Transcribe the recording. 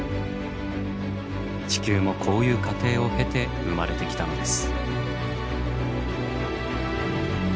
地球もこういう過程を経て生まれてきたのです。